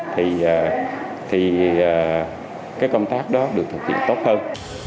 thì cái công tác đó được thực hiện tốt hơn